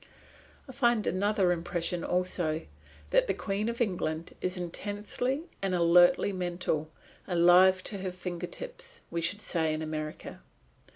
I find another impression also that the Queen of England is intensely and alertly mental alive to her finger tips, we should say in America.